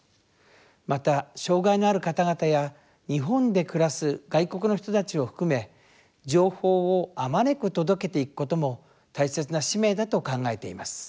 また、障害のある方々や日本で暮らす外国の人たちを含め情報をあまねく届けていくことも大切な使命だと考えています。